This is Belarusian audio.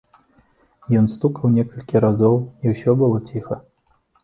Ён стукаў некалькі разоў, і ўсё было ціха.